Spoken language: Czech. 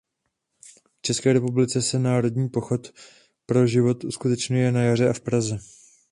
V České republice se Národní pochod pro život uskutečňuje na jaře v Praze.